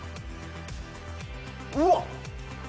うわっ！